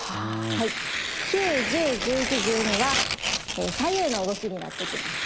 ９１０１１１２は左右の動きになってきます。